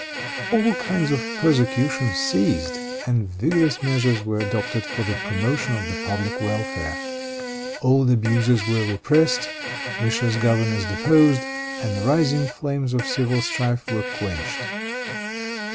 All kinds of persecution ceased, and vigorous measures were adopted for the promotion of the public welfare. Old abuses were repressed; vicious governors deposed, and the rising flames of civil strife were quenched.